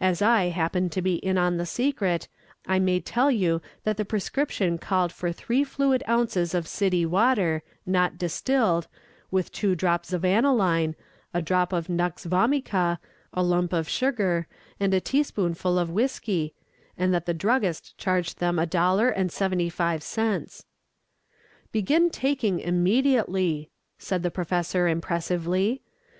As I happen to be in the secret, I may tell you that the prescription called for three fluid ounces of city water, not distilled, with two drops of aniline, a drop of nux vomica, a lump of sugar, and a teaspoonful of whiskey, and that the druggist charged them a dollar and seventy five cents. "Begin taking immediately," said the doctor impressively.